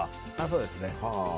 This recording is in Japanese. そうですね。